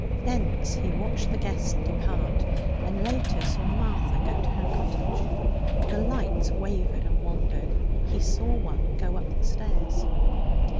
Thence he watched the guests depart, and later saw Martha go to her cottage. The lights wavered and wandered. He saw one go up the stairs.